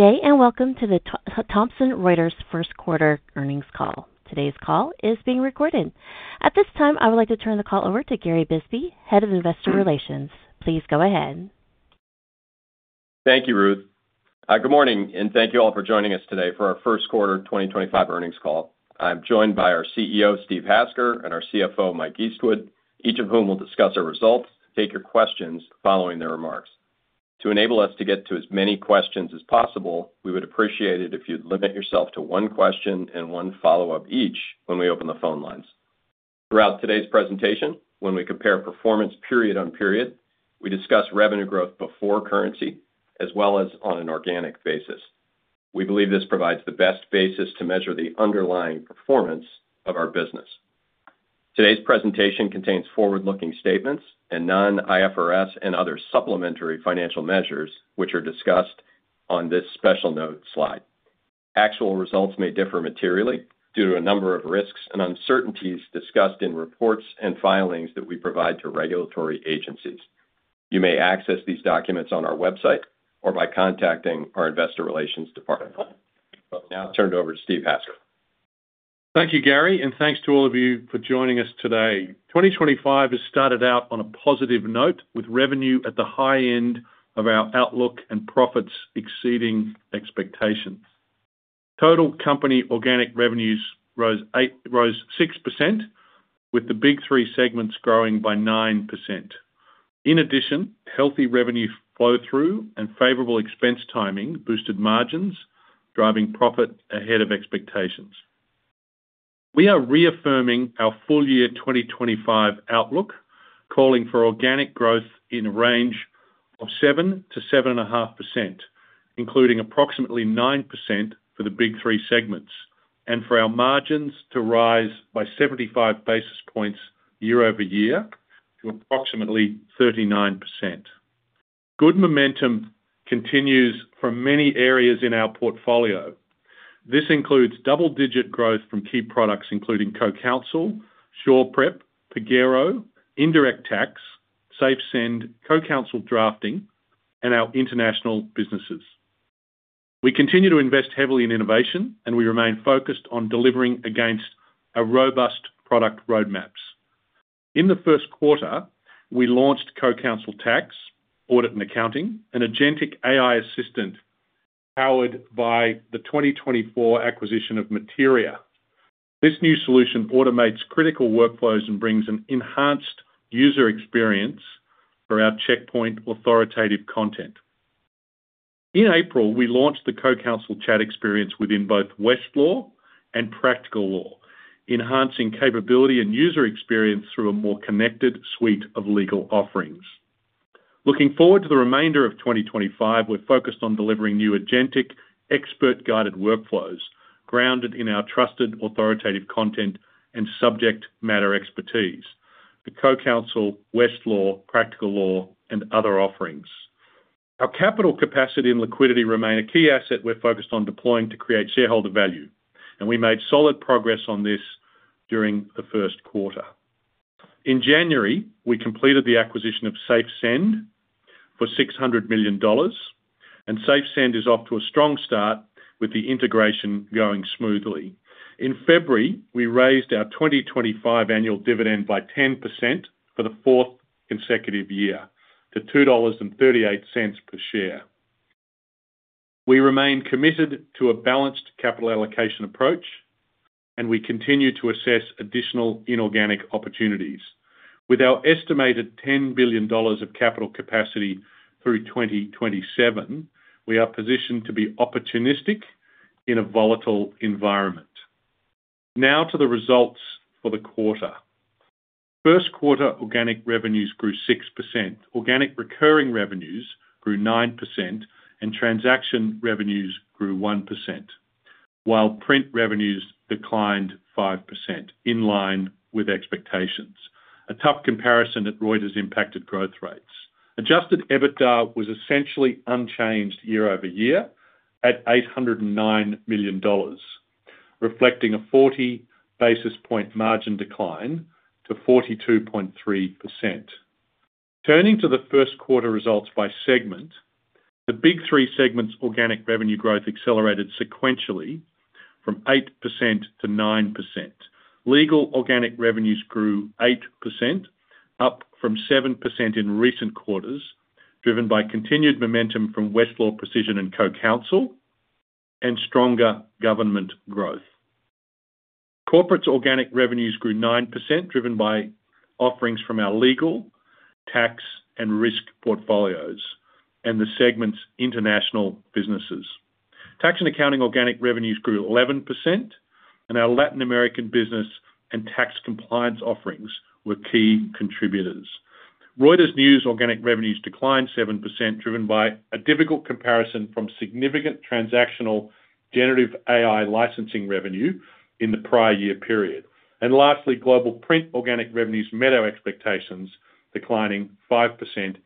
Good day and welcome to the Thomson Reuters First Quarter earnings call. Today's call is being recorded. At this time, I would like to turn the call over to Gary Bisbee, Head of Investor Relations. Please go ahead. Thank you, Ruth. Good morning, and thank you all for joining us today for our First Quarter 2025 earnings call. I'm joined by our CEO, Steve Hasker, and our CFO, Mike Eastwood, each of whom will discuss our results and take your questions following their remarks. To enable us to get to as many questions as possible, we would appreciate it if you'd limit yourself to one question and one follow-up each when we open the phone lines. Throughout today's presentation, when we compare performance period on period, we discuss revenue growth before currency as well as on an organic basis. We believe this provides the best basis to measure the underlying performance of our business. Today's presentation contains forward-looking statements and non-IFRS and other supplementary financial measures, which are discussed on this special note slide. Actual results may differ materially due to a number of risks and uncertainties discussed in reports and filings that we provide to regulatory agencies. You may access these documents on our website or by contacting our Investor Relations Department. Now, I'll turn it over to Steve Hasker. Thank you, Gary, and thanks to all of you for joining us today. 2025 has started out on a positive note with revenue at the high end of our outlook and profits exceeding expectations. Total company organic revenues rose 6%, with the big three segments growing by 9%. In addition, healthy revenue flow-through and favorable expense timing boosted margins, driving profit ahead of expectations. We are reaffirming our full year 2025 outlook, calling for organic growth in a range of 7%-7.5%, including approximately 9% for the big three segments, and for our margins to rise by 75 basis points year over year to approximately 39%. Good momentum continues from many areas in our portfolio. This includes double-digit growth from key products including CoCounsel, SurePrep, Pagero, Indirect Tax, SafeSend, CoCounsel Drafting, and our international businesses. We continue to invest heavily in innovation, and we remain focused on delivering against robust product roadmaps. In the first quarter, we launched CoCounsel Tax, Audit and Accounting, and a GenAI assistant powered by the 2024 acquisition of Materia. This new solution automates critical workflows and brings an enhanced user experience for our Checkpoint authoritative content. In April, we launched the CoCounsel Chat experience within both Westlaw and Practical Law, enhancing capability and user experience through a more connected suite of legal offerings. Looking forward to the remainder of 2025, we're focused on delivering new GenAI expert-guided workflows grounded in our trusted authoritative content and subject matter expertise: the CoCounsel, Westlaw, Practical Law, and other offerings. Our capital capacity and liquidity remain a key asset we're focused on deploying to create shareholder value, and we made solid progress on this during the first quarter. In January, we completed the acquisition of SafeSend for $600 million, and SafeSend is off to a strong start with the integration going smoothly. In February, we raised our 2025 annual dividend by 10% for the fourth consecutive year to $2.38 per share. We remain committed to a balanced capital allocation approach, and we continue to assess additional inorganic opportunities. With our estimated $10 billion of capital capacity through 2027, we are positioned to be opportunistic in a volatile environment. Now to the results for the quarter. First quarter organic revenues grew 6%, organic recurring revenues grew 9%, and transaction revenues grew 1%, while print revenues declined 5%, in line with expectations. A tough comparison at Reuters impacted growth rates. Adjusted EBITDA was essentially unchanged year over year at $809 million, reflecting a 40 basis point margin decline to 42.3%. Turning to the first quarter results by segment, the big three segments' organic revenue growth accelerated sequentially from 8%-9%. Legal organic revenues grew 8%, up from 7% in recent quarters, driven by continued momentum from Westlaw Precision and CoCounsel and stronger government growth. Corporate organic revenues grew 9%, driven by offerings from our legal, tax, and risk portfolios and the segment's international businesses. Tax and accounting organic revenues grew 11%, and our Latin American business and tax compliance offerings were key contributors. Reuters News organic revenues declined 7%, driven by a difficult comparison from significant transactional generative AI licensing revenue in the prior year period. Global print organic revenues met our expectations, declining 5%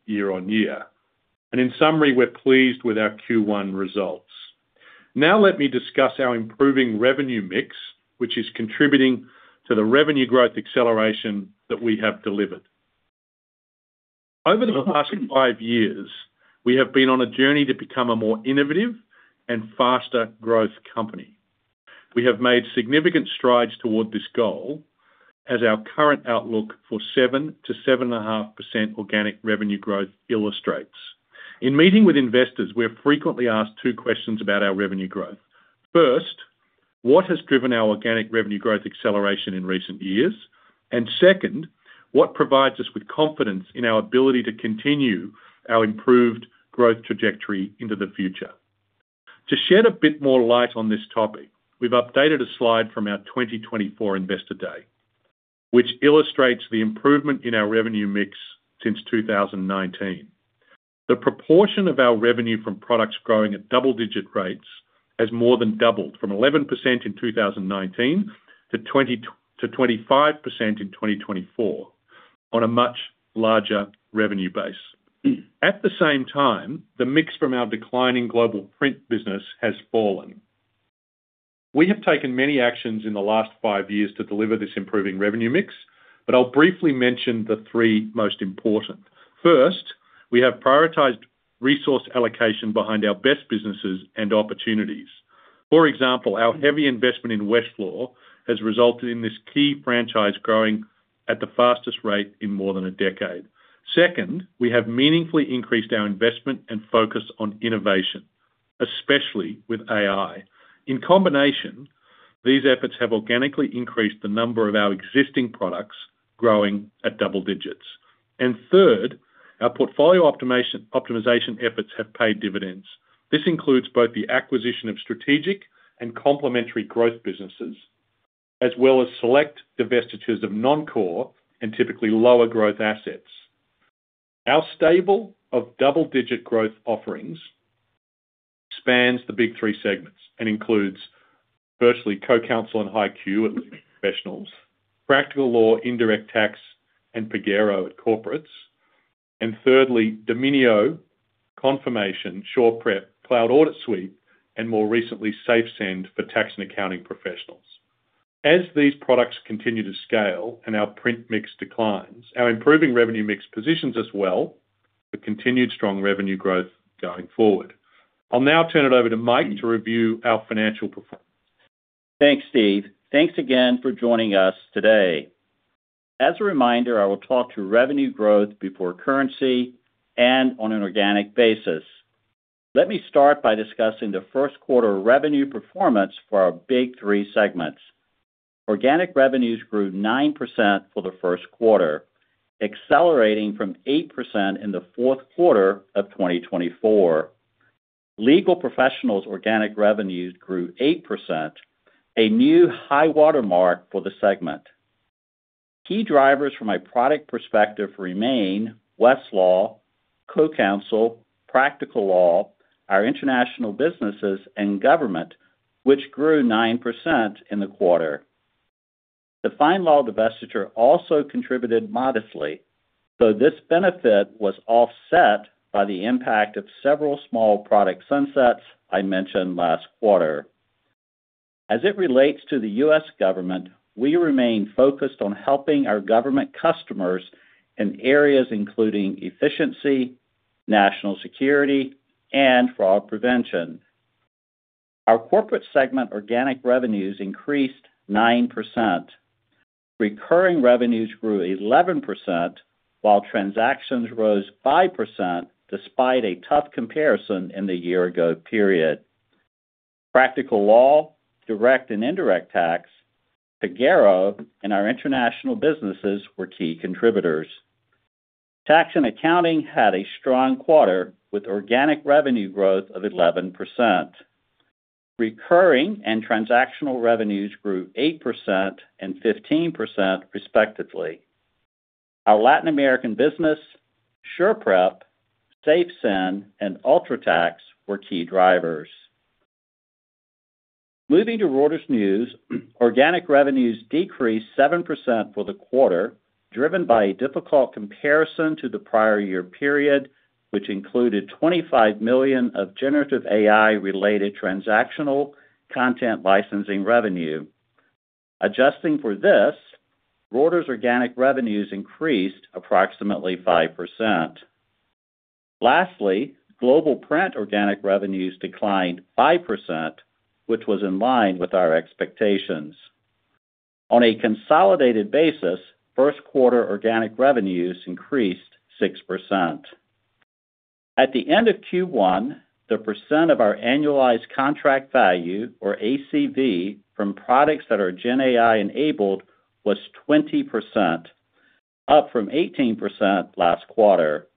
year on year. In summary, we're pleased with our Q1 results. Now let me discuss our improving revenue mix, which is contributing to the revenue growth acceleration that we have delivered. Over the past five years, we have been on a journey to become a more innovative and faster growth company. We have made significant strides toward this goal, as our current outlook for 7%-7.5% organic revenue growth illustrates. In meeting with investors, we're frequently asked two questions about our revenue growth. First, what has driven our organic revenue growth acceleration in recent years? Second, what provides us with confidence in our ability to continue our improved growth trajectory into the future? To shed a bit more light on this topic, we've updated a slide from our 2024 Investor Day, which illustrates the improvement in our revenue mix since 2019. The proportion of our revenue from products growing at double-digit rates has more than doubled from 11% in 2019 to 25% in 2024 on a much larger revenue base. At the same time, the mix from our declining global print business has fallen. We have taken many actions in the last five years to deliver this improving revenue mix, but I'll briefly mention the three most important. First, we have prioritized resource allocation behind our best businesses and opportunities. For example, our heavy investment in Westlaw has resulted in this key franchise growing at the fastest rate in more than a decade. Second, we have meaningfully increased our investment and focus on innovation, especially with AI. In combination, these efforts have organically increased the number of our existing products growing at double digits. Third, our portfolio optimization efforts have paid dividends. This includes both the acquisition of strategic and complementary growth businesses as well as select divestitures of non-core and typically lower growth assets. Our stable of double-digit growth offerings spans the big three segments and includes, firstly, CoCounsel and HighQ at Legal Professionals, Practical Law, Indirect Tax, and Pagero at Corporates, and thirdly, Dominio, Confirmation, SurePrep, Cloud Audit Suite, and more recently, SafeSend for tax and accounting professionals. As these products continue to scale and our print mix declines, our improving revenue mix positions us well for continued strong revenue growth going forward. I'll now turn it over to Mike to review our financial performance. Thanks, Steve. Thanks again for joining us today. As a reminder, I will talk to revenue growth before currency and on an organic basis. Let me start by discussing the first quarter revenue performance for our big three segments. Organic revenues grew 9% for the first quarter, accelerating from 8% in the fourth quarter of 2024. Legal professionals' organic revenues grew 8%, a new high watermark for the segment. Key drivers from a product perspective remain Westlaw, CoCounsel, Practical Law, our international businesses, and government, which grew 9% in the quarter. FindLaw divestiture also contributed modestly, though this benefit was offset by the impact of several small product sunsets I mentioned last quarter. As it relates to the U.S. government, we remain focused on helping our government customers in areas including efficiency, national security, and fraud prevention. Our corporate segment organic revenues increased 9%. Recurring revenues grew 11%, while transactions rose 5% despite a tough comparison in the year-ago period. Practical Law, Direct and Indirect Tax, Pagero, and our international businesses were key contributors. Tax and accounting had a strong quarter with organic revenue growth of 11%. Recurring and transactional revenues grew 8% and 15%, respectively. Our Latin American business, SurePrep, SafeSend, and UltraTax were key drivers. Moving to Reuters News, organic revenues decreased 7% for the quarter, driven by a difficult comparison to the prior year period, which included $25 million of generative AI-related transactional content licensing revenue. Adjusting for this, Reuters organic revenues increased approximately 5%. Lastly, global print organic revenues declined 5%, which was in line with our expectations. On a consolidated basis, first quarter organic revenues increased 6%. At the end of Q1, the % of our annualized contract value, or ACV, from products that are GenAI-enabled was 20%, up from 18% last quarter.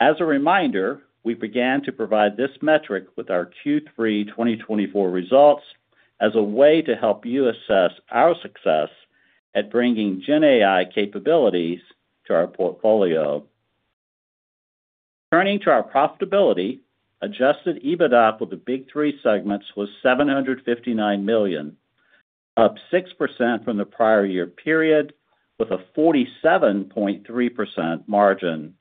As a reminder, we began to provide this metric with our Q3 2024 results as a way to help you assess our success at bringing GenAI capabilities to our portfolio. Turning to our profitability, adjusted EBITDA for the big three segments was $759 million, up 6% from the prior year period, with a 47.3% margin.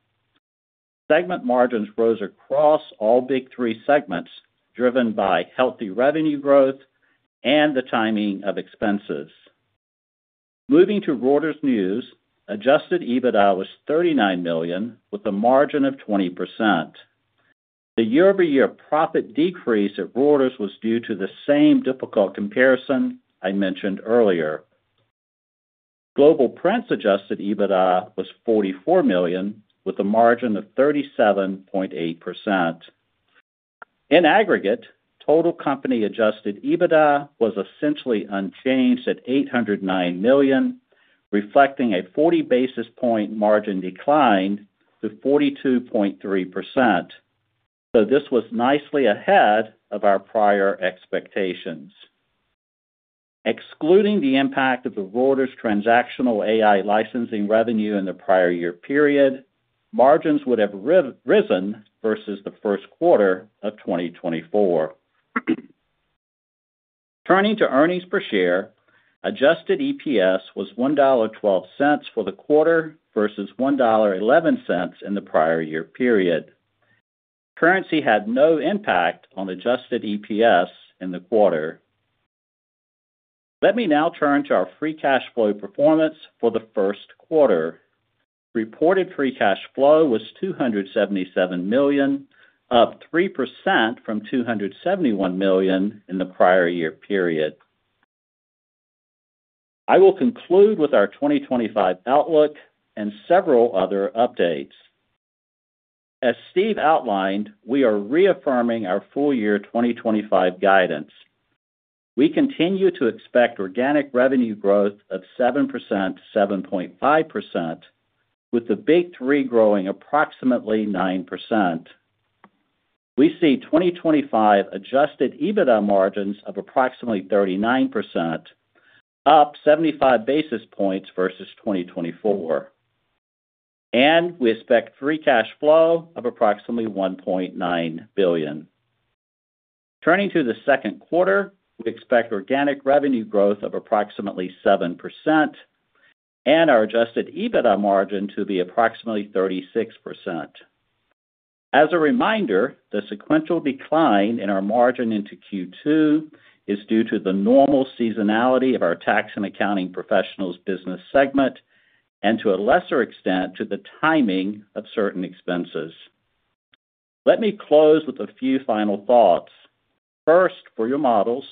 Segment margins rose across all big three segments, driven by healthy revenue growth and the timing of expenses. Moving to Reuters News, adjusted EBITDA was $39 million, with a margin of 20%. The year-over-year profit decrease at Reuters was due to the same difficult comparison I mentioned earlier. Global Print's adjusted EBITDA was $44 million, with a margin of 37.8%. In aggregate, total company adjusted EBITDA was essentially unchanged at $809 million, reflecting a 40 basis point margin decline to 42.3%. This was nicely ahead of our prior expectations. Excluding the impact of the Reuters transactional AI licensing revenue in the prior year period, margins would have risen versus the first quarter of 2024. Turning to earnings per share, adjusted EPS was $1.12 for the quarter versus $1.11 in the prior year period. Currency had no impact on adjusted EPS in the quarter. Let me now turn to our free cash flow performance for the first quarter. Reported free cash flow was $277 million, up 3% from $271 million in the prior year period. I will conclude with our 2025 outlook and several other updates. As Steve outlined, we are reaffirming our full year 2025 guidance. We continue to expect organic revenue growth of 7%-7.5%, with the big three growing approximately 9%. We see 2025 adjusted EBITDA margins of approximately 39%, up 75 basis points versus 2024. We expect free cash flow of approximately $1.9 billion. Turning to the second quarter, we expect organic revenue growth of approximately 7% and our adjusted EBITDA margin to be approximately 36%. As a reminder, the sequential decline in our margin into Q2 is due to the normal seasonality of our tax and accounting professionals' business segment and, to a lesser extent, to the timing of certain expenses. Let me close with a few final thoughts. First, for your models,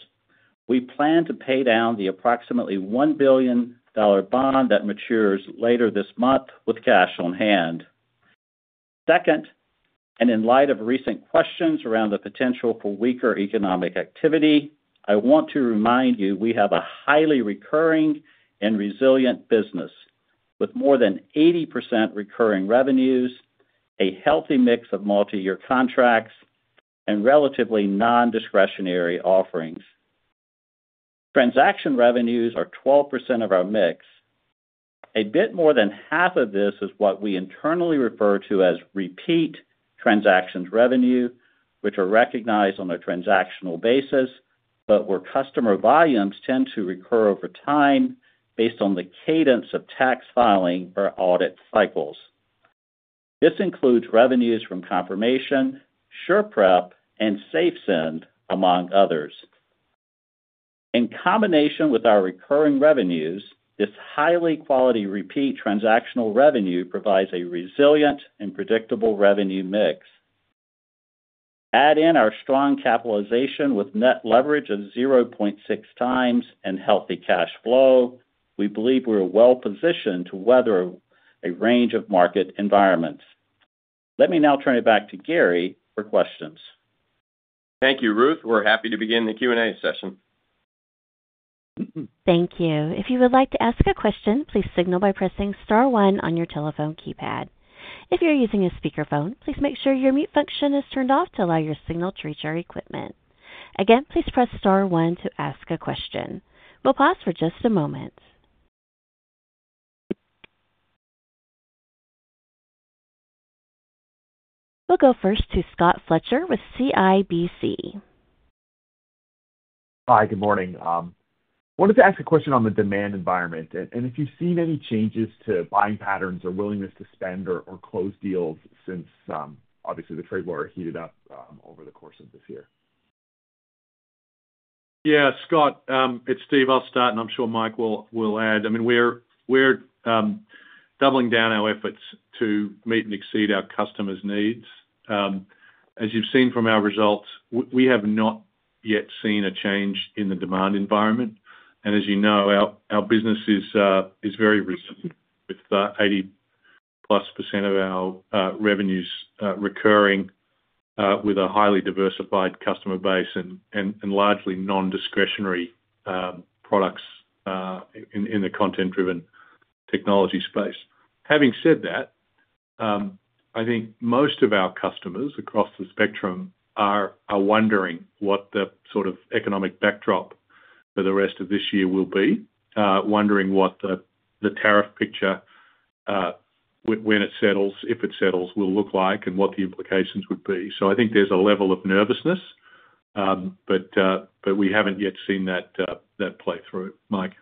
we plan to pay down the approximately $1 billion bond that matures later this month with cash on hand. Second, and in light of recent questions around the potential for weaker economic activity, I want to remind you we have a highly recurring and resilient business with more than 80% recurring revenues, a healthy mix of multi-year contracts, and relatively non-discretionary offerings. Transaction revenues are 12% of our mix. A bit more than half of this is what we internally refer to as repeat transactions revenue, which are recognized on a transactional basis, but where customer volumes tend to recur over time based on the cadence of tax filing or audit cycles. This includes revenues from Confirmation, SurePrep, and SafeSend, among others. In combination with our recurring revenues, this high quality repeat transactional revenue provides a resilient and predictable revenue mix. Add in our strong capitalization with net leverage of 0.6 times and healthy cash flow, we believe we're well positioned to weather a range of market environments. Let me now turn it back to Gary for questions. Thank you, Ruth. We're happy to begin the Q&A session. Thank you. If you would like to ask a question, please signal by pressing Star one on your telephone keypad. If you're using a speakerphone, please make sure your mute function is turned off to allow your signal to reach our equipment. Again, please press Star one to ask a question. We'll pause for just a moment. We'll go first to Scott Fletcher with CIBC. Hi, good morning. Wanted to ask a question on the demand environment and if you've seen any changes to buying patterns or willingness to spend or close deals since, obviously, the trade war heated up over the course of this year. Yeah, Scott, it's Steve Hasker, and I'm sure Mike will add. I mean, we're doubling down our efforts to meet and exceed our customers' needs. As you've seen from our results, we have not yet seen a change in the demand environment. As you know, our business is very resilient, with 80-plus % of our revenues recurring with a highly diversified customer base and largely non-discretionary products in the content-driven technology space. Having said that, I think most of our customers across the spectrum are wondering what the sort of economic backdrop for the rest of this year will be, wondering what the tariff picture, when it settles, if it settles, will look like and what the implications would be. I think there's a level of nervousness, but we haven't yet seen that play through. Mike.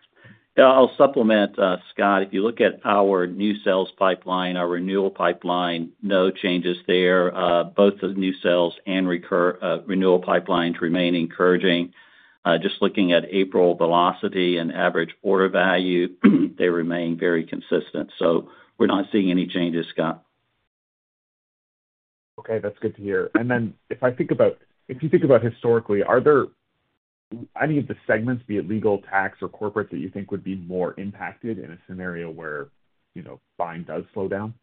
Yeah, I'll supplement Scott. If you look at our new sales pipeline, our renewal pipeline, no changes there. Both the new sales and renewal pipelines remain encouraging. Just looking at April velocity and average order value, they remain very consistent. We're not seeing any changes, Scott. Okay, that's good to hear. If I think about if you think about historically, are there any of the segments, be it legal, tax, or corporate, that you think would be more impacted in a scenario where buying does slow down?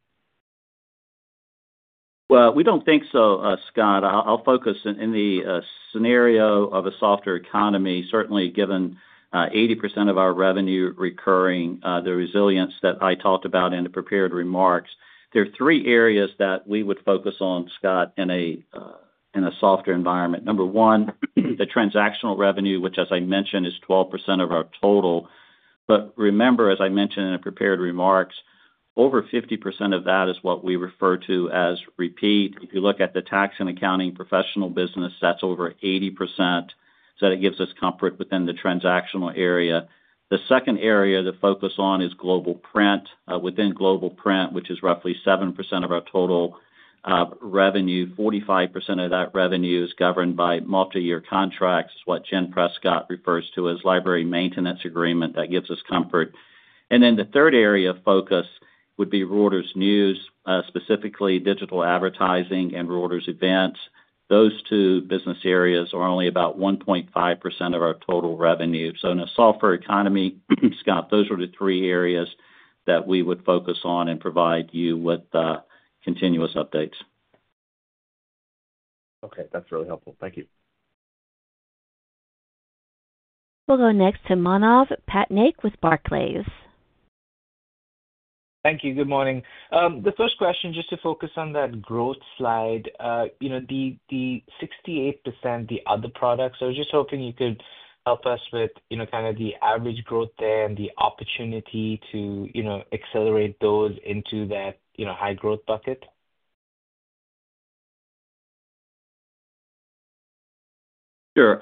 We do not think so, Scott. I will focus in the scenario of a softer economy. Certainly, given 80% of our revenue recurring, the resilience that I talked about in the prepared remarks, there are three areas that we would focus on, Scott, in a softer environment. Number one, the transactional revenue, which, as I mentioned, is 12% of our total. Remember, as I mentioned in the prepared remarks, over 50% of that is what we refer to as repeat. If you look at the tax and accounting professional business, that is over 80%. That gives us comfort within the transactional area. The second area to focus on is Global Print. Within Global Print, which is roughly 7% of our total revenue, 45% of that revenue is governed by multi-year contracts, what we in Press, Scott refers to as library maintenance agreement. That gives us comfort. The third area of focus would be Reuters News, specifically digital advertising and Reuters events. Those two business areas are only about 1.5% of our total revenue. In a softer economy, Scott, those are the three areas that we would focus on and provide you with continuous updates. Okay, that's really helpful. Thank you. We'll go next to Manav Patnaik with Barclays. Thank you. Good morning. The first question, just to focus on that growth slide, the 68%, the other products. I was just hoping you could help us with kind of the average growth there and the opportunity to accelerate those into that high growth bucket. Sure.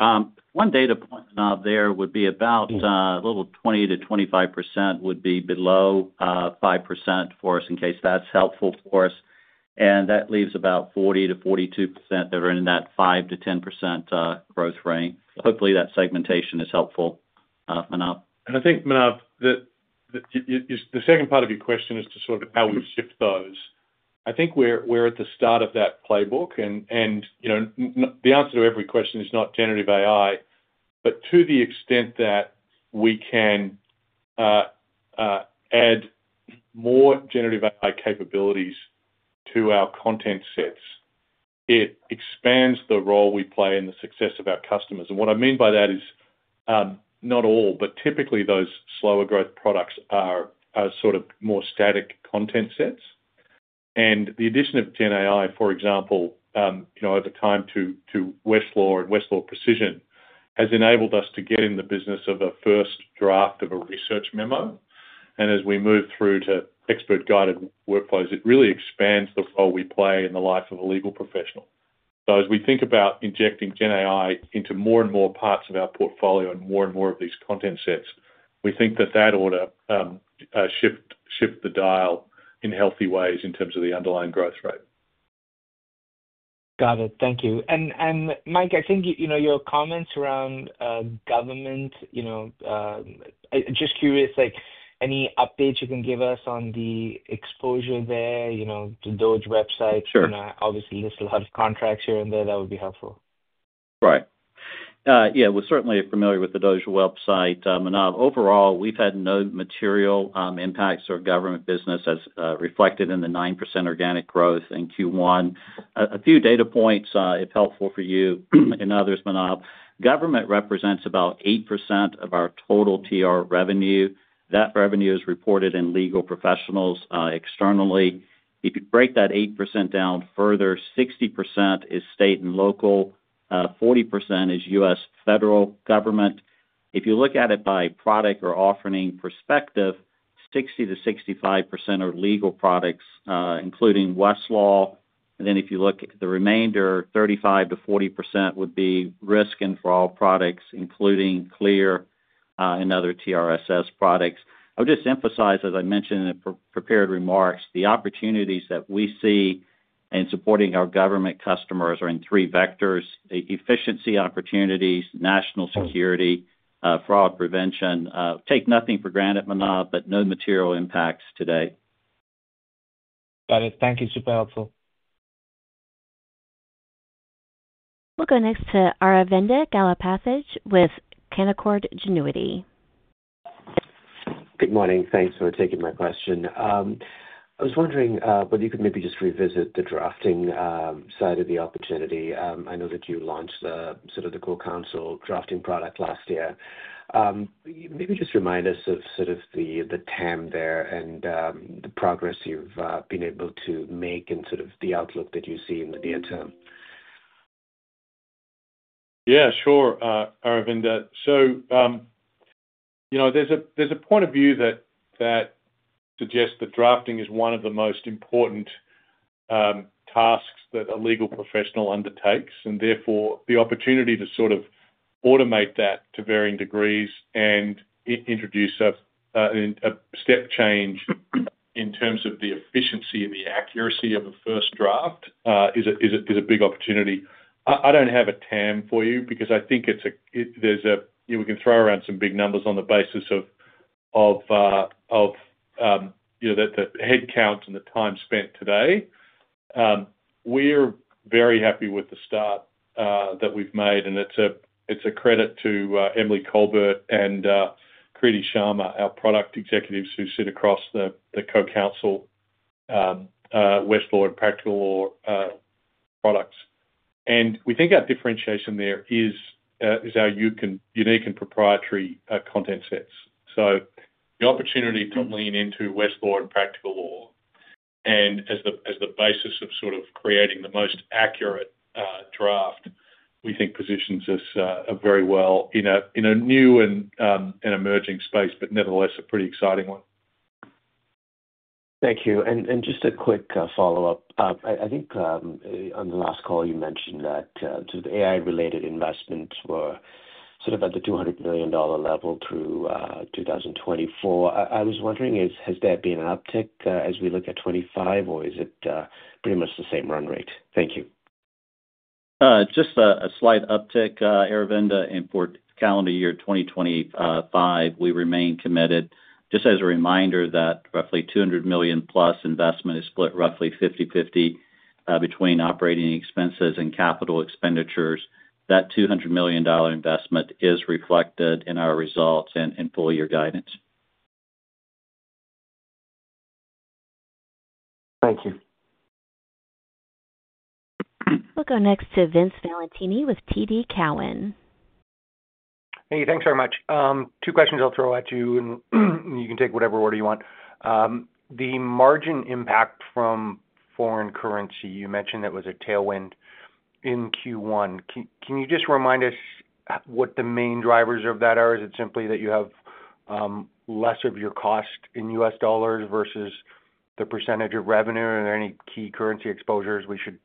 One data point there would be about a little 20-25% would be below 5% for us, in case that's helpful for us. That leaves about 40-42% that are in that 5-10% growth range. Hopefully, that segmentation is helpful enough. I think, Manav, the second part of your question is to sort of how we shift those. I think we're at the start of that playbook. The answer to every question is not generative AI, but to the extent that we can add more generative AI capabilities to our content sets, it expands the role we play in the success of our customers. What I mean by that is not all, but typically those slower growth products are sort of more static content sets. The addition of GenAI, for example, over time to Westlaw and Westlaw Precision has enabled us to get in the business of a first draft of a research memo. As we move through to expert-guided workflows, it really expands the role we play in the life of a legal professional. As we think about injecting GenAI into more and more parts of our portfolio and more and more of these content sets, we think that that ought to shift the dial in healthy ways in terms of the underlying growth rate. Got it. Thank you. Mike, I think your comments around government, just curious, any updates you can give us on the exposure there to DOGE website? Obviously, there's a lot of contracts here and there. That would be helpful. Right. Yeah, we're certainly familiar with the DOGE website. Overall, we've had no material impacts or government business as reflected in the 9% organic growth in Q1. A few data points, if helpful for you, and others, Manav. Government represents about 8% of our total TR revenue. That revenue is reported in legal professionals externally. If you break that 8% down further, 60% is state and local, 40% is U.S. federal government. If you look at it by product or offering perspective, 60-65% are legal products, including Westlaw. And then if you look at the remainder, 35-40% would be risk and for all products, including Clear and other TRSS products. I would just emphasize, as I mentioned in the prepared remarks, the opportunities that we see in supporting our government customers are in three vectors: efficiency opportunities, national security, fraud prevention. Take nothing for granted, Manav, but no material impacts today. Got it. Thank you. Super helpful. We'll go next to Aravinda Galappatthige with Canaccord Genuity. Good morning. Thanks for taking my question. I was wondering whether you could maybe just revisit the drafting side of the opportunity. I know that you launched sort of the CoCounsel Drafting product last year. Maybe just remind us of sort of the TAM there and the progress you've been able to make and sort of the outlook that you see in the near term. Yeah, sure, Aravinda. There is a point of view that suggests that drafting is one of the most important tasks that a legal professional undertakes. Therefore, the opportunity to sort of automate that to varying degrees and introduce a step change in terms of the efficiency and the accuracy of a first draft is a big opportunity. I do not have a TAM for you because I think we can throw around some big numbers on the basis of the headcount and the time spent today. We are very happy with the start that we have made, and it is a credit to Emily Colbert and Kriti Sharma, our product executives who sit across the CoCounsel, Westlaw, and Practical Law products. We think our differentiation there is our unique and proprietary content sets. The opportunity to lean into Westlaw and Practical Law and as the basis of sort of creating the most accurate draft, we think positions us very well in a new and emerging space, but nevertheless, a pretty exciting one. Thank you. Just a quick follow-up. I think on the last call, you mentioned that sort of AI-related investments were sort of at the $200 million level through 2024. I was wondering, has there been an uptick as we look at 2025, or is it pretty much the same run rate? Thank you. Just a slight uptick, Aravinda. For calendar year 2025, we remain committed. Just as a reminder, that roughly $200 million-plus investment is split roughly 50/50 between operating expenses and capital expenditures. That $200 million investment is reflected in our results and in full-year guidance. Thank you. We'll go next to Vince Valentini with TD Cowen. Hey, thanks very much. Two questions I'll throw at you, and you can take whatever order you want. The margin impact from foreign currency, you mentioned that was a tailwind in Q1. Can you just remind us what the main drivers of that are? Is it simply that you have less of your cost in US dollars versus the percentage of revenue? Are there any key currency exposures we should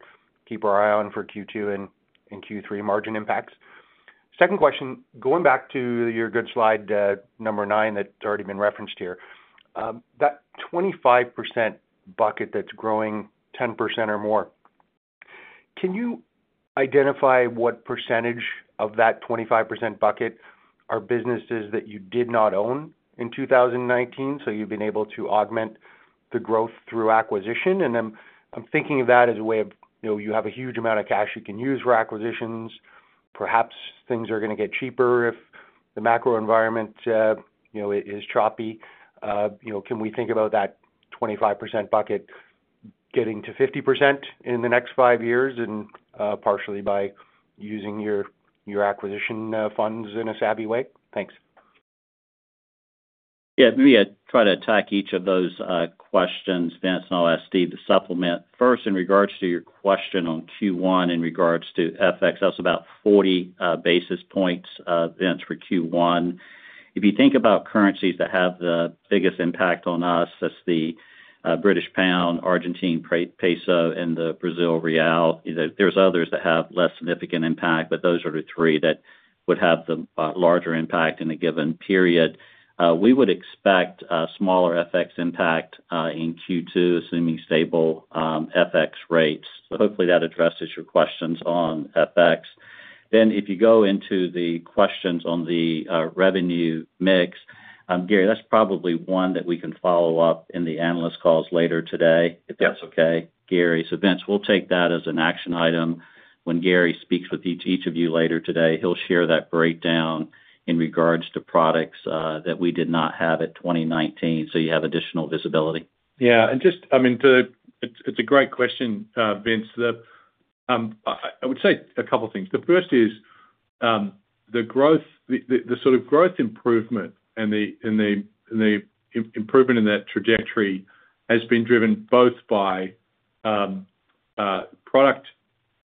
keep our eye on for Q2 and Q3 margin impacts? Second question, going back to your good slide number nine that's already been referenced here, that 25% bucket that's growing 10% or more, can you identify what percentage of that 25% bucket are businesses that you did not own in 2019? So you've been able to augment the growth through acquisition. I'm thinking of that as a way of you have a huge amount of cash you can use for acquisitions. Perhaps things are going to get cheaper if the macro environment is choppy. Can we think about that 25% bucket getting to 50% in the next five years partially by using your acquisition funds in a savvy way? Thanks. Yeah, maybe I try to attack each of those questions, Vince, and I'll ask Steve to supplement. First, in regards to your question on Q1 in regards to FX, that was about 40 basis points, Vince, for Q1. If you think about currencies that have the biggest impact on us, that's the British Pound, Argentine Peso, and the Brazilian Real. There's others that have less significant impact, but those are the three that would have the larger impact in a given period. We would expect a smaller FX impact in Q2, assuming stable FX rates. Hopefully, that addresses your questions on FX. If you go into the questions on the revenue mix, Gary, that's probably one that we can follow up in the analyst calls later today, if that's okay. Yeah. Vince, we'll take that as an action item. When Gary speaks with each of you later today, he'll share that breakdown in regards to products that we did not have at 2019. You have additional visibility. Yeah. And just, I mean, it's a great question, Vince. I would say a couple of things. The first is the sort of growth improvement and the improvement in that trajectory has been driven both by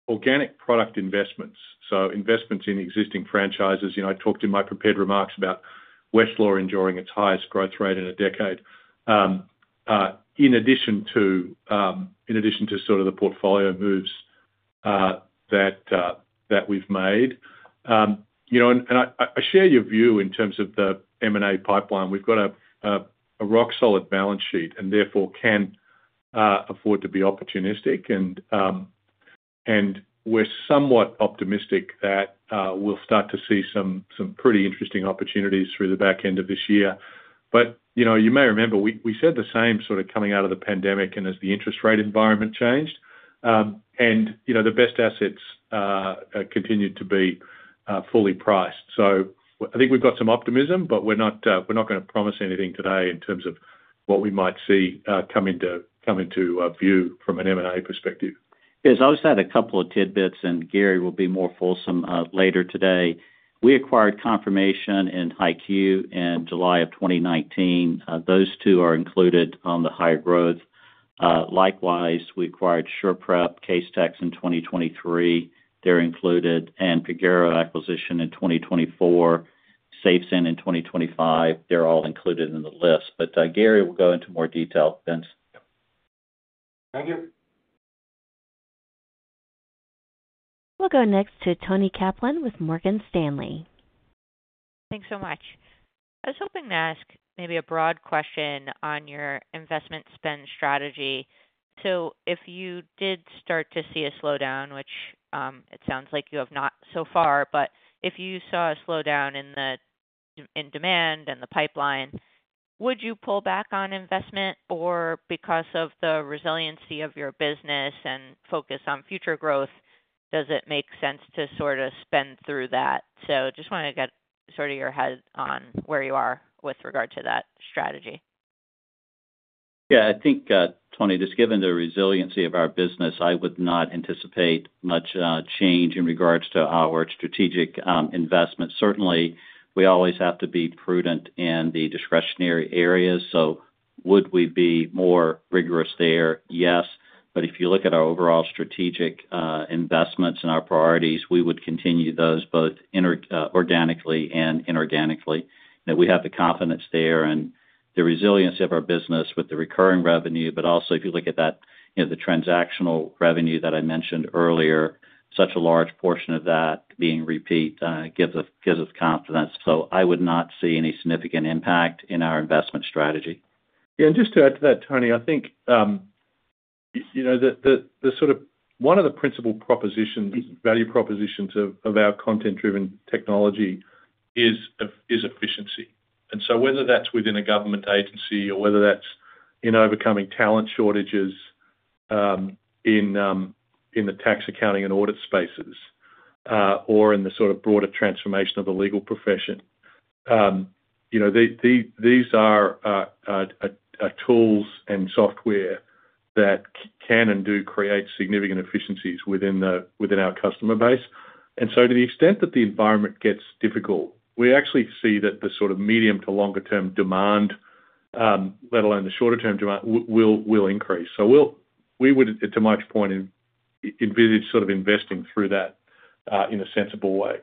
organic product investments. So investments in existing franchises. I talked in my prepared remarks about Westlaw enduring its highest growth rate in a decade, in addition to sort of the portfolio moves that we've made. I share your view in terms of the M&A pipeline. We've got a rock-solid balance sheet and therefore can afford to be opportunistic. We're somewhat optimistic that we'll start to see some pretty interesting opportunities through the back end of this year. You may remember, we said the same sort of coming out of the pandemic and as the interest rate environment changed, and the best assets continued to be fully priced. I think we've got some optimism, but we're not going to promise anything today in terms of what we might see come into view from an M&A perspective. Yeah. I'll just add a couple of tidbits, and Gary will be more fulsome later today. We acquired Confirmation and Haikyu in July of 2019. Those two are included on the higher growth. Likewise, we acquired SurePrep, Casetext in 2023. They're included. And Pagero, acquisition in 2024. SafeSend in 2025. They're all included in the list. Gary will go into more detail, Vince. Thank you. We'll go next to TonToni Kaplan with Morgan Stanley. Thanks so much. I was hoping to ask maybe a broad question on your investment spend strategy. If you did start to see a slowdown, which it sounds like you have not so far, but if you saw a slowdown in demand and the pipeline, would you pull back on investment? Or because of the resiliency of your business and focus on future growth, does it make sense to sort of spend through that? Just want to get sort of your head on where you are with regard to that strategy. Yeah. I think, Toni, just given the resiliency of our business, I would not anticipate much change in regards to our strategic investment. Certainly, we always have to be prudent in the discretionary areas. Would we be more rigorous there? Yes. If you look at our overall strategic investments and our priorities, we would continue those both organically and inorganically. We have the confidence there and the resiliency of our business with the recurring revenue. Also, if you look at the transactional revenue that I mentioned earlier, such a large portion of that being repeat gives us confidence. I would not see any significant impact in our investment strategy. Yeah. Just to add to that, Toni, I think the sort of one of the principal value propositions of our content-driven technology is efficiency. Whether that's within a government agency or whether that's in overcoming talent shortages in the tax accounting and audit spaces or in the sort of broader transformation of the legal profession, these are tools and software that can and do create significant efficiencies within our customer base. To the extent that the environment gets difficult, we actually see that the sort of medium to longer-term demand, let alone the shorter-term demand, will increase. We would, to Mike's point, envisage sort of investing through that in a sensible way.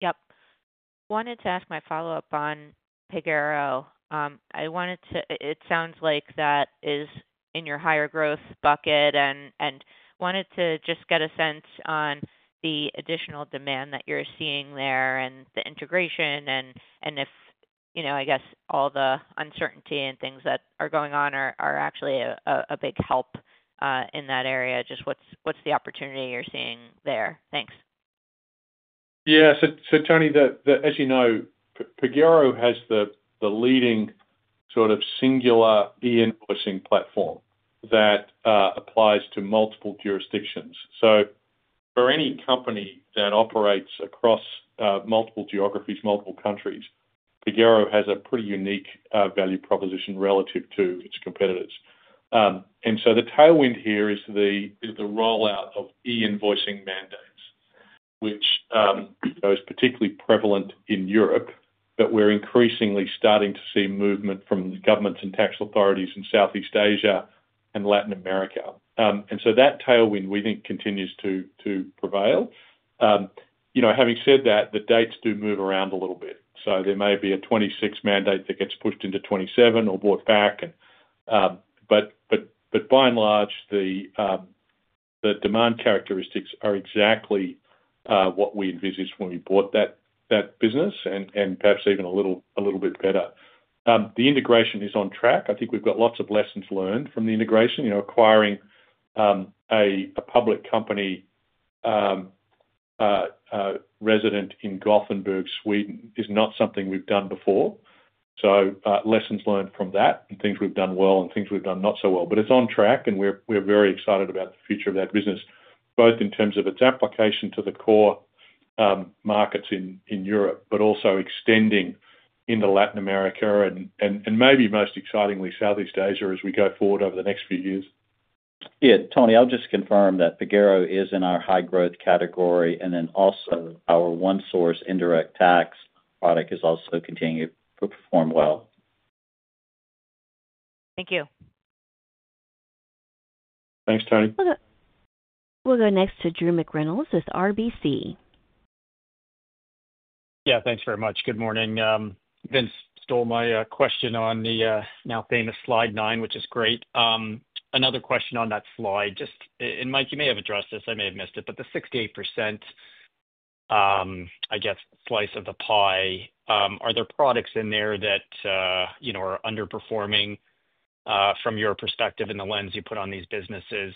Yep. I wanted to ask my follow-up on Pagero. It sounds like that is in your higher growth bucket. I wanted to just get a sense on the additional demand that you're seeing there and the integration and if, I guess, all the uncertainty and things that are going on are actually a big help in that area. Just what's the opportunity you're seeing there? Thanks. Yeah. Toni, as you know, Pagero has the leading sort of singular e-invoicing platform that applies to multiple jurisdictions. For any company that operates across multiple geographies, multiple countries, Pagero has a pretty unique value proposition relative to its competitors. The tailwind here is the rollout of e-invoicing mandates, which is particularly prevalent in Europe, but we're increasingly starting to see movement from governments and tax authorities in Southeast Asia and Latin America. That tailwind, we think, continues to prevail. Having said that, the dates do move around a little bit. There may be a 2026 mandate that gets pushed into 2027 or brought back. By and large, the demand characteristics are exactly what we envisaged when we bought that business and perhaps even a little bit better. The integration is on track. I think we've got lots of lessons learned from the integration. Acquiring a public company resident in Gothenburg, Sweden, is not something we've done before. Lessons learned from that and things we've done well and things we've done not so well. It is on track, and we're very excited about the future of that business, both in terms of its application to the core markets in Europe, but also extending into Latin America and maybe most excitingly, Southeast Asia as we go forward over the next few years. Yeah. Toni, I'll just confirm that Pagero is in our high-growth category. And then also, our ONESOURCE Indirect Tax product is also continuing to perform well. Thank you. Thanks, Tony. We'll go next to Drew McReynolds with RBC. Yeah. Thanks very much. Good morning. Vince stole my question on the now famous slide nine, which is great. Another question on that slide. Mike, you may have addressed this. I may have missed it. The 68% slice of the pie, are there products in there that are underperforming from your perspective in the lens you put on these businesses?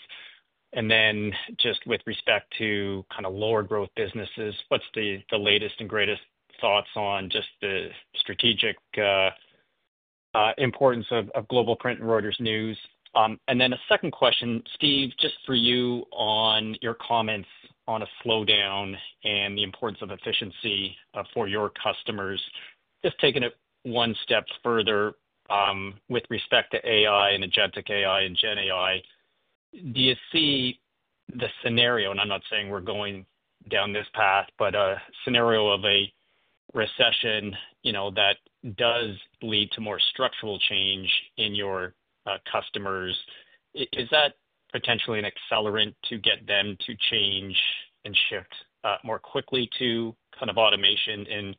Just with respect to kind of lower-growth businesses, what's the latest and greatest thoughts on just the strategic importance of Global Print and Reuters News? A second question, Steve, just for you on your comments on a slowdown and the importance of efficiency for your customers. Just taking it one step further with respect to AI and agentic AI and GenAI, do you see the scenario—and I'm not saying we're going down this path—but a scenario of a recession that does lead to more structural change in your customers? Is that potentially an accelerant to get them to change and shift more quickly to kind of automation and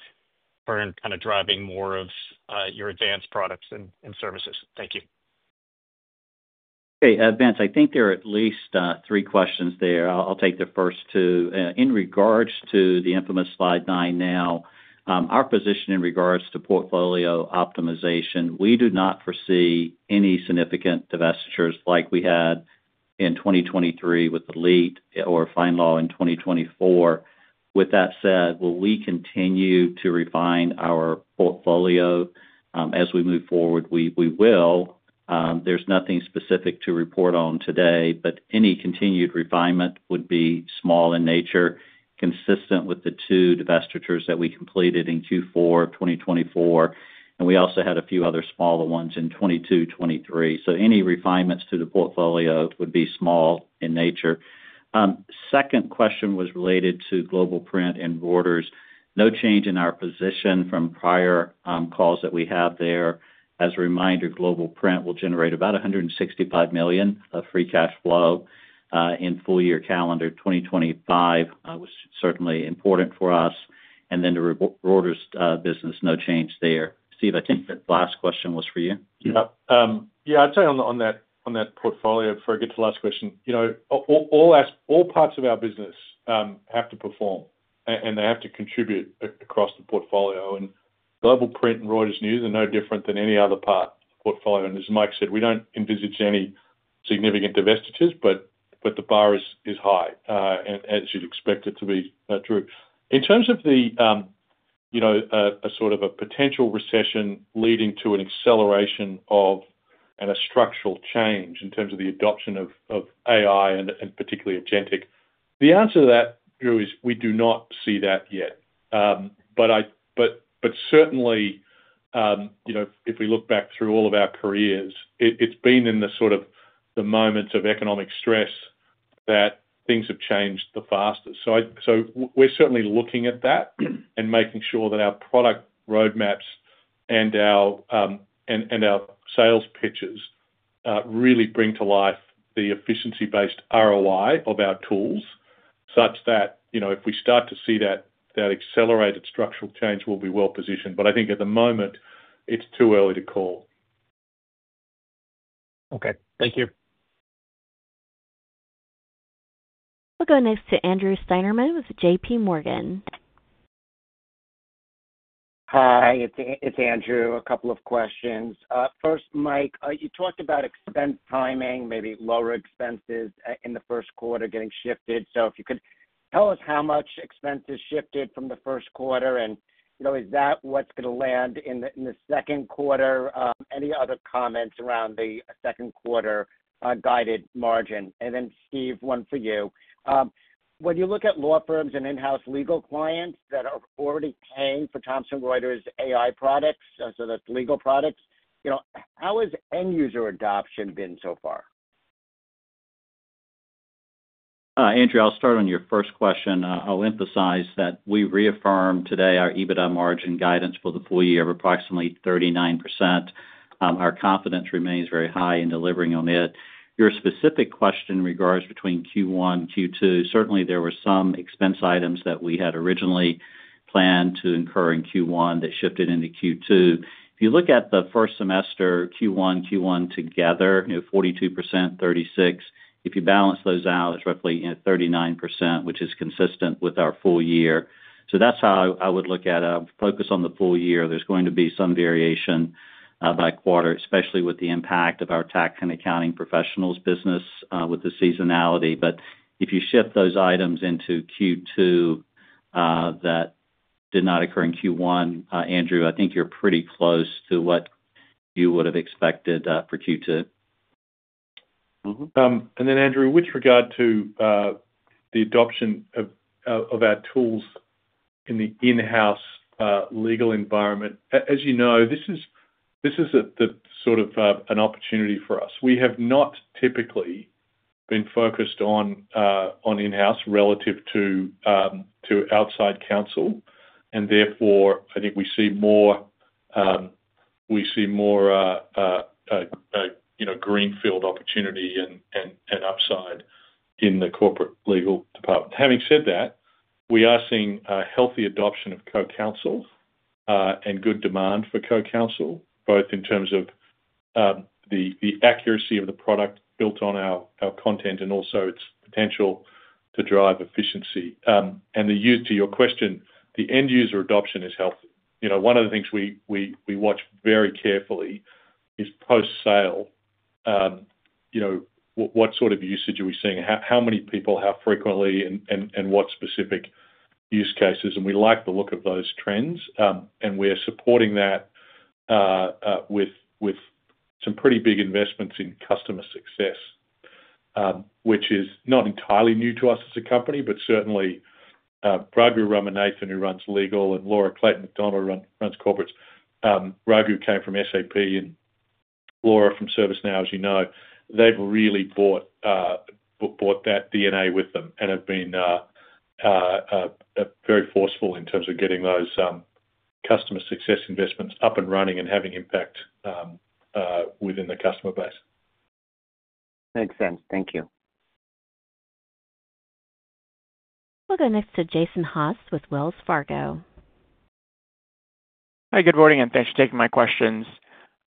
kind of driving more of your advanced products and services? Thank you. Hey, Vince, I think there are at least three questions there. I'll take the first two. In regards to the infamous slide nine now, our position in regards to portfolio optimization, we do not foresee any significant divestitures like we had in 2023 with Elite or FindLaw in 2024. With that said, will we continue to refine our portfolio as we move forward? We will. There's nothing specific to report on today, but any continued refinement would be small in nature, consistent with the two divestitures that we completed in Q4 of 2024. We also had a few other smaller ones in 2022, 2023. Any refinements to the portfolio would be small in nature. Second question was related to Global Print and Reuters. No change in our position from prior calls that we have there. As a reminder, Global Print will generate about $165 million of free cash flow in full year calendar 2025. That was certainly important for us. And then the Reuters business, no change there. Steve, I think the last question was for you. Yeah. Yeah. I'd say on that portfolio, before I get to the last question, all parts of our business have to perform, and they have to contribute across the portfolio. Global Print and Reuters News are no different than any other part of the portfolio. As Mike said, we do not envisage any significant divestitures, but the bar is high, as you'd expect it to be, Drew. In terms of a sort of a potential recession leading to an acceleration of and a structural change in terms of the adoption of AI and particularly agentic, the answer to that, Drew, is we do not see that yet. Certainly, if we look back through all of our careers, it's been in the sort of the moments of economic stress that things have changed the fastest. We're certainly looking at that and making sure that our product roadmaps and our sales pitches really bring to life the efficiency-based ROI of our tools such that if we start to see that accelerated structural change, we'll be well positioned. I think at the moment, it's too early to call. Okay. Thank you. We'll go next to Andrew Steinerman with JPMorgan. Hi. It's Andrew. A couple of questions. First, Mike, you talked about expense timing, maybe lower expenses in the first quarter getting shifted. If you could tell us how much expense has shifted from the first quarter, and is that what's going to land in the second quarter? Any other comments around the second quarter guided margin? Steve, one for you. When you look at law firms and in-house legal clients that are already paying for Thomson Reuters AI products, so that's legal products, how has end-user adoption been so far? Andrew, I'll start on your first question. I'll emphasize that we reaffirmed today our EBITDA margin guidance for the full year of approximately 39%. Our confidence remains very high in delivering on it. Your specific question in regards between Q1 and Q2, certainly there were some expense items that we had originally planned to incur in Q1 that shifted into Q2. If you look at the first semester, Q1, Q2 together, 42%, 36%. If you balance those out, it's roughly 39%, which is consistent with our full year. That is how I would look at it. I'll focus on the full year. There is going to be some variation by quarter, especially with the impact of our tax and accounting professionals' business with the seasonality. If you shift those items into Q2 that did not occur in Q1, Andrew, I think you're pretty close to what you would have expected for Q2. Andrew, with regard to the adoption of our tools in the in-house legal environment, as you know, this is sort of an opportunity for us. We have not typically been focused on in-house relative to outside counsel. Therefore, I think we see more greenfield opportunity and upside in the corporate legal department. Having said that, we are seeing a healthy adoption of CoCounsel and good demand for CoCounsel, both in terms of the accuracy of the product built on our content and also its potential to drive efficiency. To your question, the end-user adoption is healthy. One of the things we watch very carefully is post-sale. What sort of usage are we seeing? How many people, how frequently, and what specific use cases? We like the look of those trends. We're supporting that with some pretty big investments in customer success, which is not entirely new to us as a company, but certainly, Raghu Ramanathan, who runs legal, and Laura Clayton McDonald, runs corporates. Ragu came from SAP and Laura from ServiceNow, as you know. They've really brought that DNA with them and have been very forceful in terms of getting those customer success investments up and running and having impact within the customer base. Makes sense. Thank you. We'll go next to Jason Haas with Wells Fargo. Hi. Good morning, and thanks for taking my questions.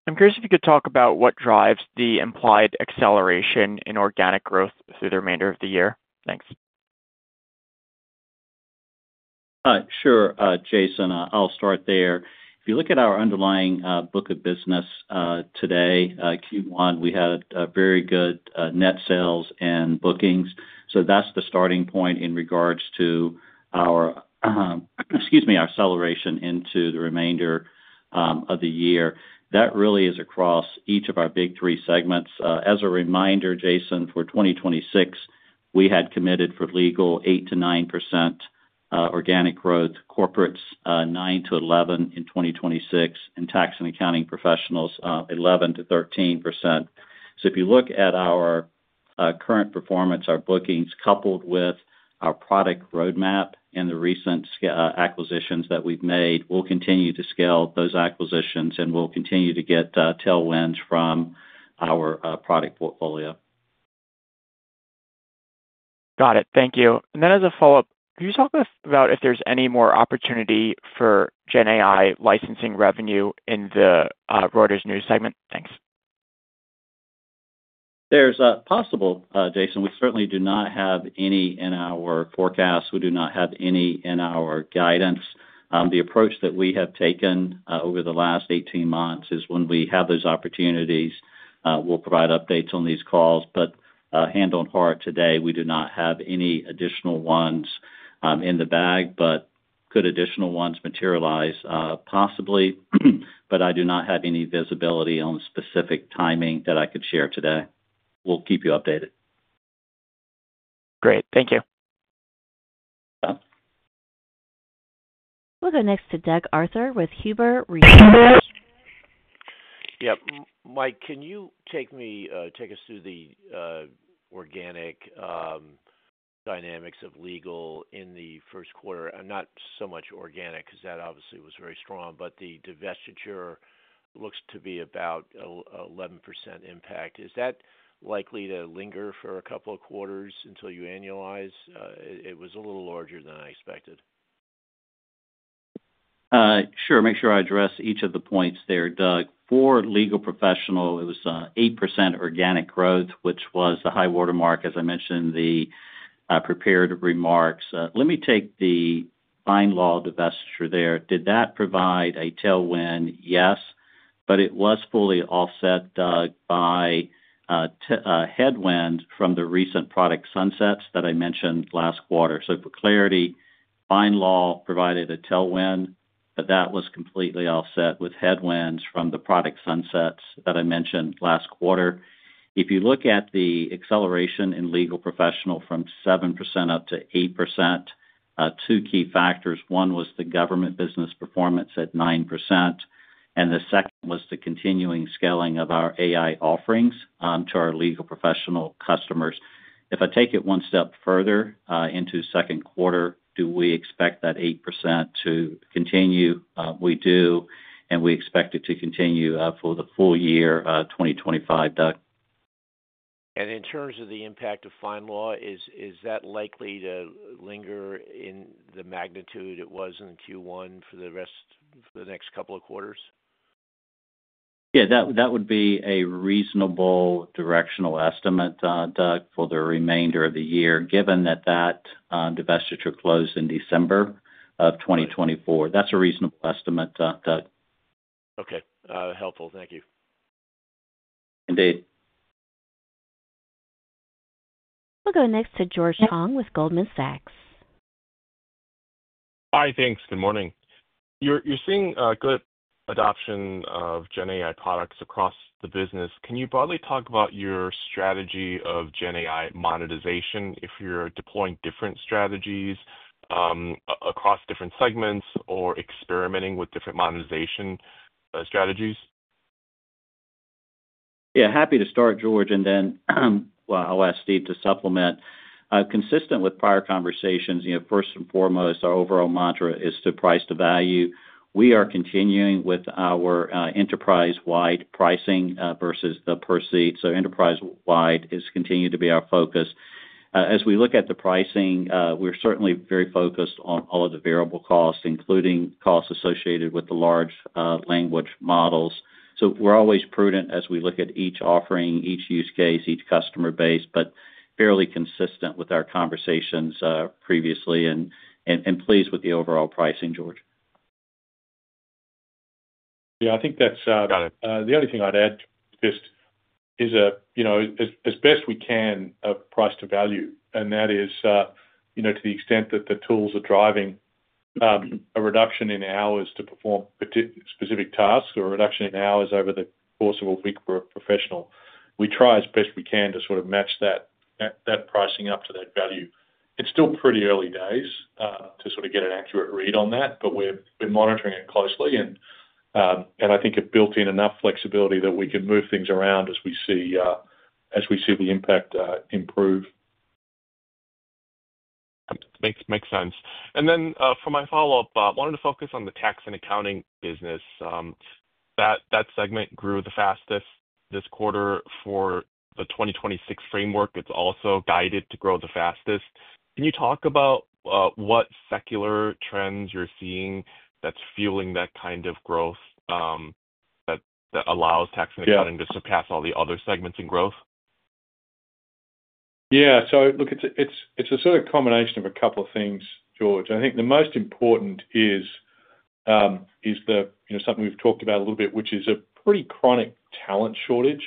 I'm curious if you could talk about what drives the implied acceleration in organic growth through the remainder of the year. Thanks. Sure, Jason. I'll start there. If you look at our underlying book of business today, Q1, we had very good net sales and bookings. That's the starting point in regards to our—excuse me—acceleration into the remainder of the year. That really is across each of our big three segments. As a reminder, Jason, for 2026, we had committed for legal 8-9% organic growth, corporates 9-11% in 2026, and tax and accounting professionals 11-13%. If you look at our current performance, our bookings coupled with our product roadmap and the recent acquisitions that we've made, we'll continue to scale those acquisitions, and we'll continue to get tailwinds from our product portfolio. Got it. Thank you. As a follow-up, could you talk about if there's any more opportunity for GenAI licensing revenue in the Reuters News segment? Thanks. There's a possible, Jason. We certainly do not have any in our forecast. We do not have any in our guidance. The approach that we have taken over the last 18 months is when we have those opportunities, we'll provide updates on these calls. Hand on heart today, we do not have any additional ones in the bag, but could additional ones materialize, possibly. I do not have any visibility on specific timing that I could share today. We'll keep you updated. Great. Thank you. We'll go next to Doug Arthur with Huber Research. Yep. Mike, can you take us through the organic dynamics of legal in the first quarter? Not so much organic because that obviously was very strong, but the divestiture looks to be about 11% impact. Is that likely to linger for a couple of quarters until you annualize? It was a little larger than I expected. Sure. Make sure I address each of the points there, Doug. For legal professional, it was 8% organic growth, which was a high watermark, as I mentioned, the prepared remarks. Let me take the FindLaw divestiture there. Did that provide a tailwind? Yes. But it was fully offset, Doug, by headwinds from the recent product sunsets that I mentioned last quarter. For clarity, FindLaw provided a tailwind, but that was completely offset with headwinds from the product sunsets that I mentioned last quarter. If you look at the acceleration in legal professional from 7% up to 8%, two key factors. One was the government business performance at 9%, and the second was the continuing scaling of our AI offerings to our legal professional customers. If I take it one step further into second quarter, do we expect that 8% to continue? We do, and we expect it to continue for the full year 2025, Doug. In terms of the impact of FindLaw, is that likely to linger in the magnitude it was in Q1 for the next couple of quarters? Yeah. That would be a reasonable directional estimate, Doug, for the remainder of the year, given that that divestiture closed in December of 2024. That's a reasonable estimate, Doug. Okay. Helpful. Thank you. Indeed. We'll go next to George Tong with Goldman Sachs. Hi. Thanks. Good morning. You're seeing good adoption of GenAI products across the business. Can you broadly talk about your strategy of GenAI monetization if you're deploying different strategies across different segments or experimenting with different monetization strategies? Yeah. Happy to start, George. I'll ask Steve to supplement. Consistent with prior conversations, first and foremost, our overall mantra is to price to value. We are continuing with our enterprise-wide pricing versus the per seat. Enterprise-wide has continued to be our focus. As we look at the pricing, we're certainly very focused on all of the variable costs, including costs associated with the large language models. We're always prudent as we look at each offering, each use case, each customer base, but fairly consistent with our conversations previously and pleased with the overall pricing, George. Yeah. I think that's the only thing I'd add just is, as best we can, of price to value. That is to the extent that the tools are driving a reduction in hours to perform specific tasks or a reduction in hours over the course of a week for a professional, we try as best we can to sort of match that pricing up to that value. It's still pretty early days to sort of get an accurate read on that, but we're monitoring it closely. I think it built in enough flexibility that we can move things around as we see the impact improve. Makes sense. For my follow-up, I wanted to focus on the tax and accounting business. That segment grew the fastest this quarter for the 2026 framework. It's also guided to grow the fastest. Can you talk about what secular trends you're seeing that's fueling that kind of growth that allows tax and accounting to surpass all the other segments in growth? Yeah. Look, it's a sort of combination of a couple of things, George. I think the most important is something we've talked about a little bit, which is a pretty chronic talent shortage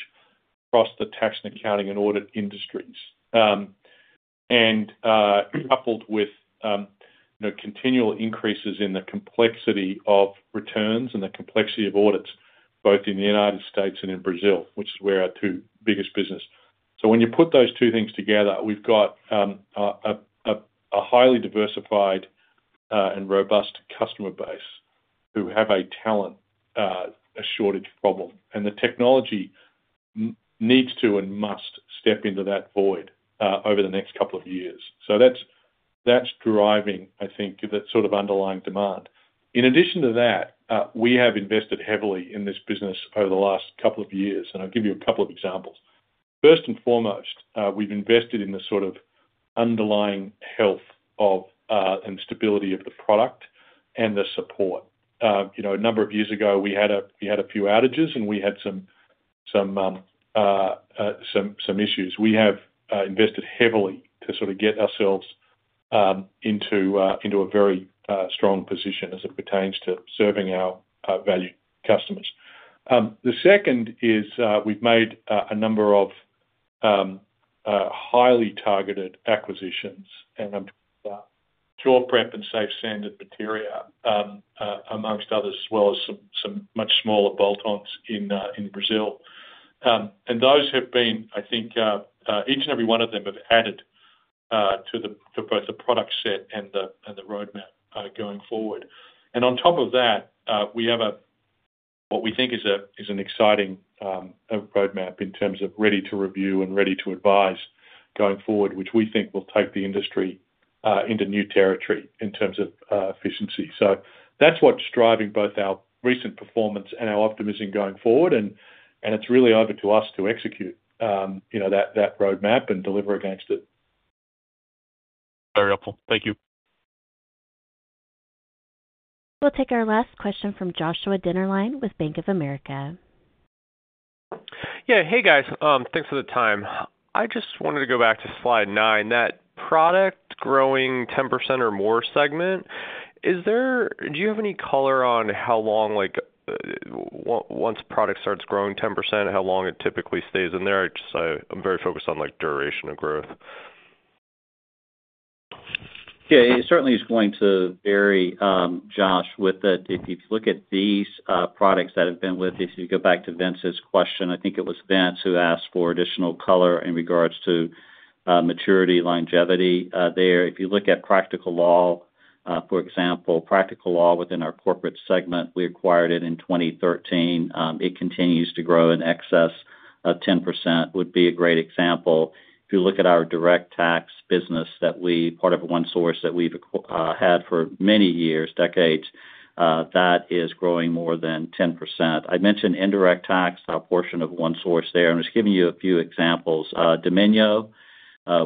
across the tax and accounting and audit industries, coupled with continual increases in the complexity of returns and the complexity of audits, both in the United States and in Brazil, which is where our two biggest businesses are. When you put those two things together, we've got a highly diversified and robust customer base who have a talent shortage problem. The technology needs to and must step into that void over the next couple of years. That's driving, I think, that sort of underlying demand. In addition to that, we have invested heavily in this business over the last couple of years. I'll give you a couple of examples. First and foremost, we've invested in the sort of underlying health and stability of the product and the support. A number of years ago, we had a few outages, and we had some issues. We have invested heavily to sort of get ourselves into a very strong position as it pertains to serving our valued customers. The second is we've made a number of highly targeted acquisitions, and I'm talking about SurePrep and SafeSend and Materia, amongst others, as well as some much smaller bolt-ons in Brazil. Those have been, I think, each and every one of them have added to both the product set and the roadmap going forward. On top of that, we have what we think is an exciting roadmap in terms of ready to review and ready to advise going forward, which we think will take the industry into new territory in terms of efficiency. That is what is driving both our recent performance and our optimism going forward. It is really over to us to execute that roadmap and deliver against it. Very helpful. Thank you. We'll take our last question from Dennerlein with Bank of America. Yeah. Hey, guys. Thanks for the time. I just wanted to go back to slide nine, that product growing 10% or more segment. Do you have any color on how long, once product starts growing 10%, how long it typically stays in there? I'm very focused on duration of growth. Yeah. It certainly is going to vary, Josh, with that. If you look at these products that have been with, if you go back to Vince's question, I think it was Vince who asked for additional color in regards to maturity, longevity there. If you look at Practical Law, for example, Practical Law within our corporate segment, we acquired it in 2013. It continues to grow in excess of 10% would be a great example. If you look at our direct tax business that we part of OneSource that we've had for many years, decades, that is growing more than 10%. I mentioned Indirect Tax, a portion of OneSource there. I'm just giving you a few examples. Dominio,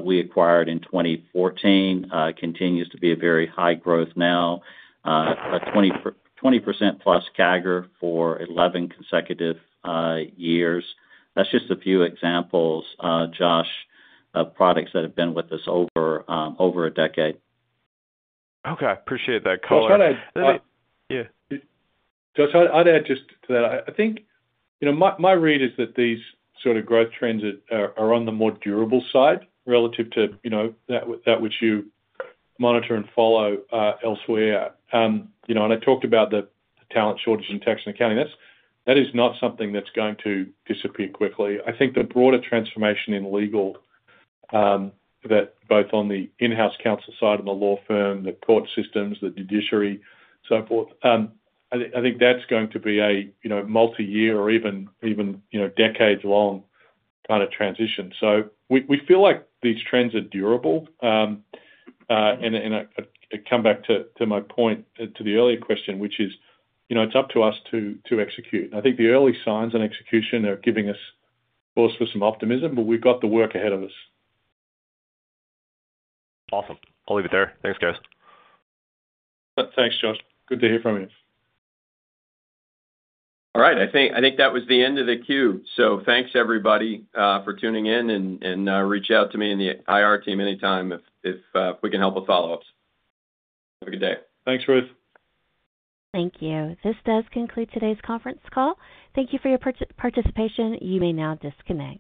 we acquired in 2014, continues to be a very high growth now, 20% plus CAGR for 11 consecutive years. That's just a few examples, Josh, of products that have been with us over a decade. Okay. I appreciate that color. Josh, I'll add just to that. I think my read is that these sort of growth trends are on the more durable side relative to that which you monitor and follow elsewhere. I talked about the talent shortage in tax and accounting. That is not something that's going to disappear quickly. I think the broader transformation in legal that both on the in-house counsel side of the law firm, the court systems, the judiciary, so forth, I think that's going to be a multi-year or even decades-long kind of transition. We feel like these trends are durable. I come back to my point to the earlier question, which is it's up to us to execute. I think the early signs on execution are giving us force for some optimism, but we've got the work ahead of us. Awesome. I'll leave it there. Thanks, guys. Thanks, Josh. Good to hear from you. All right. I think that was the end of the queue. Thanks, everybody, for tuning in. Reach out to me and the IR team anytime if we can help with follow-ups. Have a good day. Thanks, Ruth. Thank you. This does conclude today's conference call. Thank you for your participation. You may now disconnect.